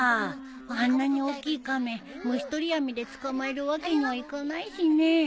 あんなに大きい亀虫取り網で捕まえるわけにはいかないしね。